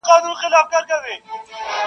ساقي واخله ټول جامونه پرې خړوب که,